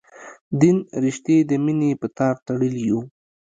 دین رشتې د مینې په تار تړلي یو.